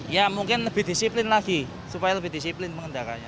ya mungkin lebih disiplin lagi supaya lebih disiplin mengendaranya